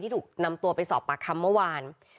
ถูกนำตัวไปสอบปากคำเมื่อวาน